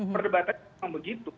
perdebatannya memang begitu